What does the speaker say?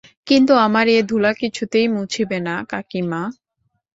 কিন্তু আমার এ ধুলা কিছুতেই মুছিবে না কাকীমা।